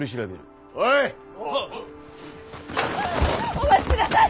お待ちください！